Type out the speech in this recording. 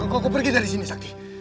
kau pergi dari sini sakit